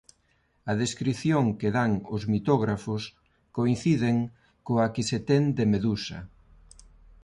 A descrición que dan os mitógrafos coinciden coa que se ten de Medusa.